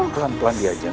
pelan pelan dia jeng